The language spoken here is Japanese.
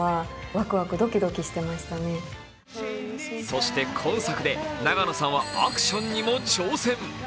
そして今作で、永野さんはアクションにも挑戦。